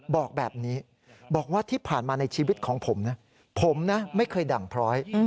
บอกแบบนี้บอกว่าที่ผ่านมาในชีวิตของผมนะผมนะไม่เคยดั่งพร้อย